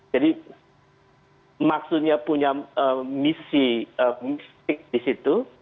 jadi maksudnya punya misi di situ